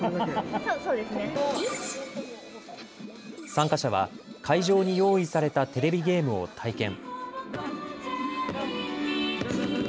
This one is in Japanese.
参加者は会場に用意されたテレビゲームを体験。